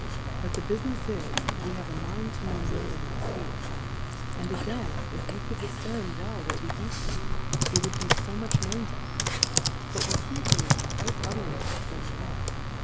But the Bufinefs is, we have a mind to know more than we fee : And again, if we could dif cern well what we do fee, it would be fo much known to us; but we See Things quite otherwife than they are.